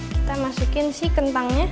kita masukkan si kentangnya